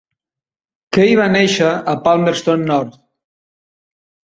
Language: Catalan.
Keay va néixer a Palmerston North.